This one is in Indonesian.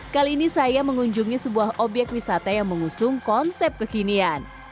kali ini saya mengunjungi sebuah obyek wisata yang mengusung konsep kekinian